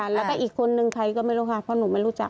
แล้วก็อีกคนนึงใครก็ไม่รู้ค่ะเพราะหนูไม่รู้จัก